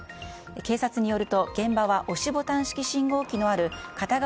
警察によりますと現場は押しボタン式信号機のある片側